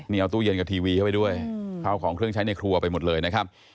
นี่เอาตู้เย็นกับทีวีเข้าไปด้วยข้าวของเครื่องใช้ในครัวไปหมดเลยนะครับ